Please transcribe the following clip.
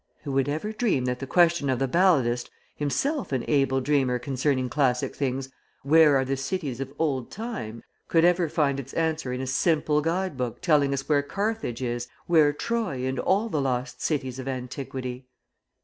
Who would ever dream that the question of the balladist, himself an able dreamer concerning classic things, "Where are the Cities of Old Time," could ever find its answer in a simple guide book telling us where Carthage is, where Troy and all the lost cities of antiquity!